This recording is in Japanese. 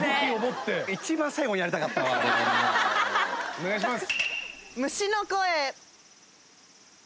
お願いします！